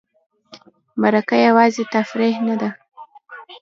مرکه یوازې تفریح نه ده.